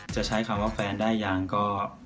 จะใช้คำว่าแฟนได้ยังก็